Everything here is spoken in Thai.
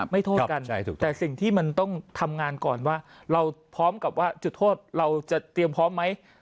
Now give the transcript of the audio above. โทษกันแต่สิ่งที่มันต้องทำงานก่อนว่าเราพร้อมกับว่าจุดโทษเราจะเตรียมพร้อมไหม